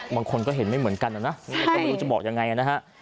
บางคนก็เห็นไม่เหมือนกันนะก็ไม่รู้จะบอกยังไงนะฮะ